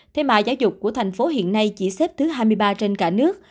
thế mà giáo dục của thành phố hiện nay chỉ xếp thứ hai mươi ba trên cả nước